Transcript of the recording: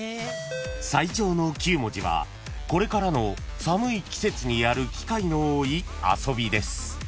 ［最長の９文字はこれからの寒い季節にやる機会の多い遊びです］